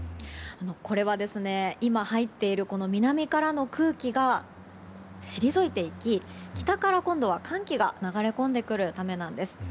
これは今、入っている南からの空気が退いていき北から今度は寒気が流れ込んでくるためなんです。